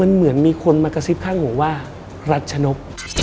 เหมือนมีคนมากระซิบข้างหูว่ารัชนก